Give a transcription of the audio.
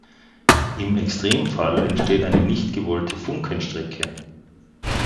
Im Extremfall entsteht eine nicht gewollte Funkenstrecke.